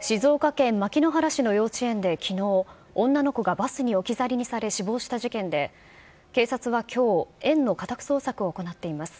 静岡県牧之原市の幼稚園できのう、女の子がバスに置き去りにされ死亡した事件で、警察はきょう、園の家宅捜索を行っています。